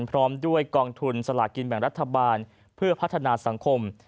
พร้อมด้วยกองทุนสลากินแบ่งรัฐบาลเพื่อพัฒนาสังคม